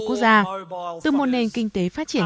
quốc gia từ một nền kinh tế phát triển